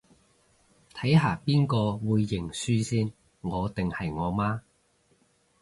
睇下邊個會認輸先，我定係我媽